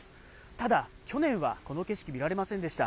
ただ、去年はこの景色、見られませんでした。